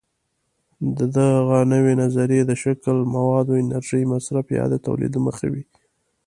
دغه نوې نظریې د شکل، موادو، انرژۍ مصرف یا د تولید له مخې وي.